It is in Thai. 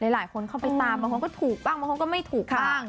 หลายคนเข้าไปตามบางคนก็ถูกบ้างบางคนก็ไม่ถูกบ้าง